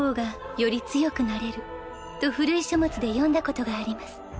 より強くなれると古い書物で読んだことがあります